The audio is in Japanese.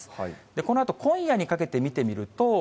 このあと今夜にかけて見てみると。